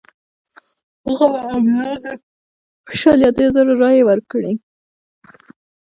هغه به عبدالله ته شل یا دېرش زره رایې ورکړي.